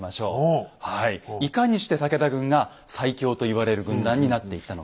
いかにして武田軍が最強と言われる軍団になっていったのか